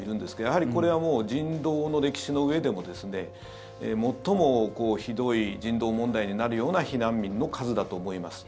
やはりこれは人道の歴史のうえでも最もひどい人道問題になるような避難民の数だと思います。